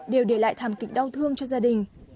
đều để lại thảm kịch đau thương cho gia đình